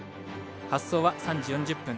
発走は３時４０分。